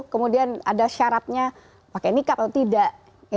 kemudian ada syaratnya pakai nikab atau tidak